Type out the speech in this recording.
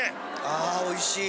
あおいしい。